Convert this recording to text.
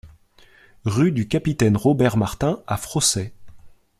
Rue du Capitaine Robert Martin à Frossay